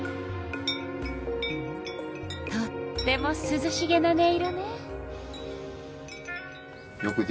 とってもすずしげな音色ね。